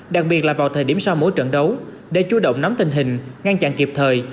đặc biệt là vào thời điểm sau mỗi trận đấu để chú động nắm tình hình ngăn chặn kịp thời